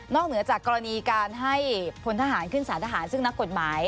เหนือจากกรณีการให้พลทหารขึ้นสารทหารซึ่งนักกฎหมาย